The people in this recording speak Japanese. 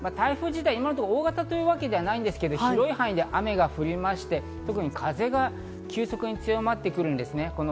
台風自体、今のところ大型というわけではないんですが広い範囲で雨が降って、特に風が急速に強まってくるんですね。